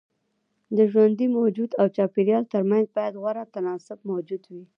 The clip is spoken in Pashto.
د ژوندي موجود او چاپيريال ترمنځ بايد غوره تناسب موجود وي.